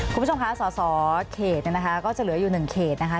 คุณผู้ชมคะสอสอเขตเนี่ยนะคะก็จะเหลืออยู่๑เขตนะคะ